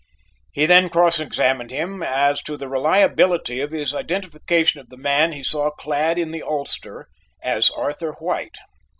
He then cross examined him as to the reliability of his identification of the man he saw clad in the ulster as Arthur White.